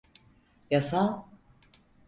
Yasal…